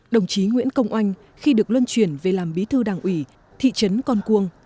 đồng chí nguyễn công oanh khi được luân chuyển về làm bí thư đảng ủy thị trấn con cuông